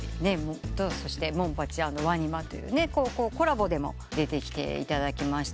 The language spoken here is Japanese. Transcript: そしてモンパチ＆ＷＡＮＩＭＡというコラボでも出てきていただきました。